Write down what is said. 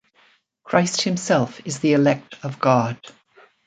Christ himself is the elect of God.